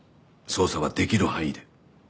捜査はできる範囲で。